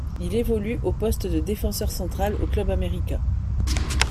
Il évolue au poste de défenseur central au Club América.